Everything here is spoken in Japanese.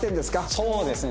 そうですね。